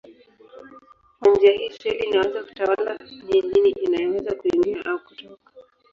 Kwa njia hii seli inaweza kutawala ni nini inayoweza kuingia au kutoka.